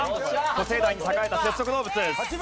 古生代に栄えた節足動物。